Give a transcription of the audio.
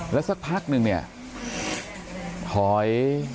แล้วสักพักนึงเนี่ยถอย